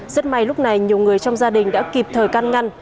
rất may lúc này nhiều người trong gia đình đã kịp thời can ngăn